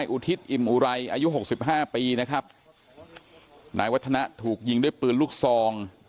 อุทิศอิ่มอุไรอายุหกสิบห้าปีนะครับนายวัฒนะถูกยิงด้วยปืนลูกซอง